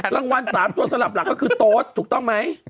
รางวัล๓ตัวสลับหลักก็คือโต๊ดถูกต้องไหม